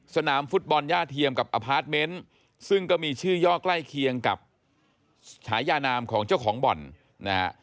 สนามฟุตบอลย่าเทียมกับอพาร์ทเมนต์ซึ่งก็มีชื่อย่อใกล้เคียงกับฉายานามของเจ้าของบ่อนนะฮะ